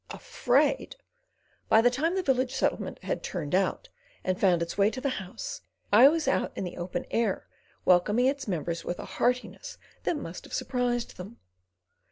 Afraid! By the time the village settlement had "turned out" and found its way to the house, I was out in the open air welcoming its members with a heartiness that must have surprised them.